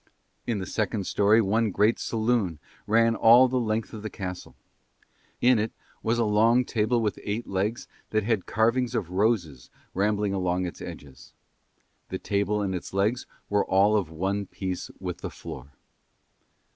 In the second storey one great saloon ran all the length of the castle. In it was a long table with eight legs that had carvings of roses rambling along its edges: the table and its legs were all of one piece with the floor.